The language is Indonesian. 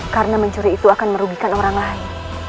karena mencuri itu akan merugikan orang lain